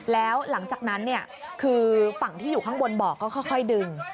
แล้วหลังจากนั้นคือฝั่งที่อยู่ข้างบนบ่อก็ค่อยดึง